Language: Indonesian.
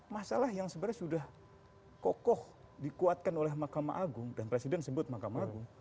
masalah yang sebenarnya sudah kokoh dikuatkan oleh mahkamah agung dan presiden sebut mahkamah agung